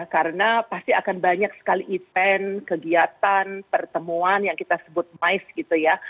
karena pasti akan banyak sekali event kegiatan pertemuan yang kita sebut mais gitu ya